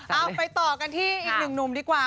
เอาไปต่อกันที่อีกหนึ่งหนุ่มดีกว่า